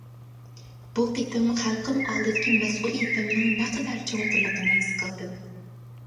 بۇ قېتىم خەلقىم ئالدىدىكى مەسئۇلىيىتىمنىڭ نەقەدەر چوڭقۇرلۇقىنى ھېس قىلدىم.